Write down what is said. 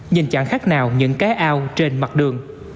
nhìn chẳng khác nào những cái ao trên mặt đường